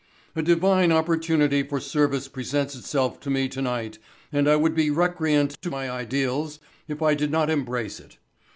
A Divine opportunity for service presents itself to me tonight and I would be recreant to my ideals if I did not embrace it.